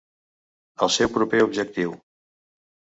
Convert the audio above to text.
El seu proper objectiu.